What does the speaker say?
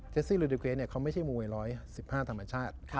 เจสซี่ลูยเดอร์เกรสเนี่ยเขาไม่ใช่มวย๑๑๕ธรรมชาติ